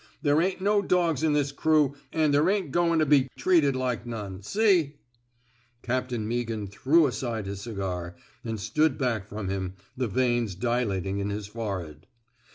There ain't no dogs in this crew, an' there ain't goin' to be treated like none, seef " Captain Meaghan threw aside his cigar, and stood back from him, the veins dilating in his forehead.